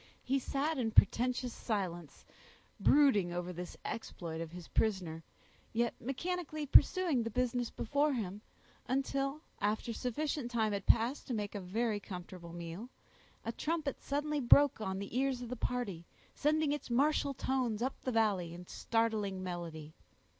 He sat in portentous silence, brooding over the exploit of his prisoner, yet mechanically pursuing the business before him, until, after sufficient time had passed to make a very comfortable meal, a trumpet suddenly broke on the ears of the party, sending its martial tones up the valley, in startling melody.